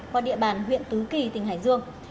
qua địa bàn huyện tứ kỳ tỉnh hải dương